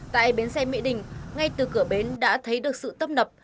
tại bến xe mỹ đình ngay từ cửa bến đã thấy được sự tấp nập